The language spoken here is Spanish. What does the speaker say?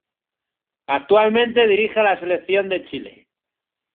Actualmente dirige a la Selección de Chile.